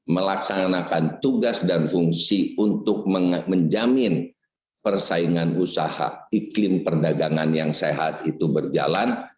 melaksanakan tugas dan fungsi untuk menjamin persaingan usaha iklim perdagangan yang sehat itu berjalan